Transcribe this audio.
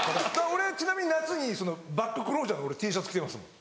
俺ちなみに夏にバッグ・クロージャーのＴシャツ着てますもん。